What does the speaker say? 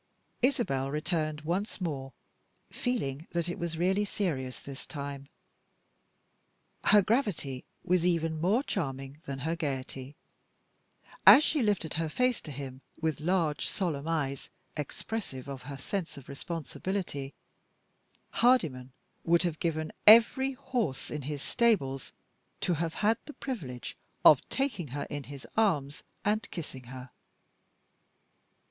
Isabel returned once more, feeling that it was really serious this time. Her gravity was even more charming than her gayety. As she lifted her face to him, with large solemn eyes, expressive of her sense of responsibility, Hardyman would have given every horse in his stables to have had the privilege of taking her in his arms and kissing her.